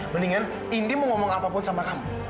mendingan indi mau ngomong apapun sama kamu